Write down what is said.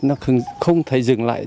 nó không thể dừng lại